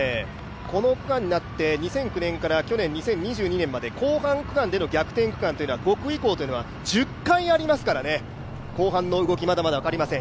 この区間になって２００９年から去年２０２２年まで後半区間での逆転区間というのは５区以降というのは１０回ありますから、後半の動きまだまだ分かりません。